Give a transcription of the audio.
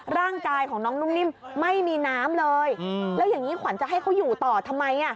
ร่างกายของน้องนุ่มนิ่มไม่มีน้ำเลยแล้วอย่างนี้ขวัญจะให้เขาอยู่ต่อทำไม